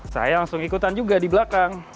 saya langsung ikutan juga di belakang